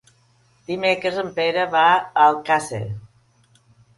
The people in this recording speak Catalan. Dimecres en Pere va a Alcàsser.